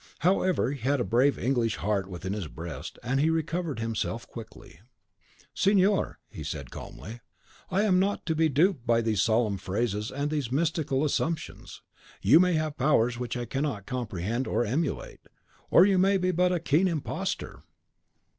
However, he had a brave English heart within his breast, and he recovered himself quickly. "Signor," said he, calmly, "I am not to be duped by these solemn phrases and these mystical assumptions. You may have powers which I cannot comprehend or emulate, or you may be but a keen imposter."